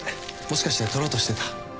もしかして取ろうとしてた？